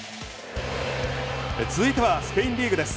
続いてはスペインリーグです。